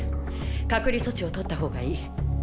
隔離措置をとった方がいい。